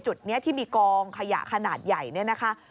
จุดนี้ที่มีกองขยะขนาดใหญ่เนี่ยนะคะ